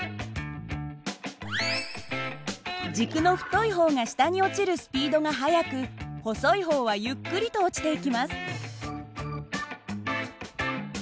軸の太い方が下に落ちるスピードが速く細い方はゆっくりと落ちていきます。